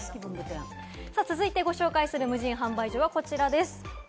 続いてご紹介する無人販売所はこちらです。